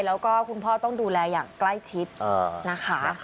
แล้วก็คุณพ่อต้องดูแลอย่างใกล้ชิดนะคะ